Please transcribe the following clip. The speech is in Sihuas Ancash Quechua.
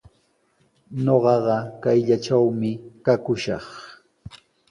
Ñuqaqa kayllatrawmi kakushaq.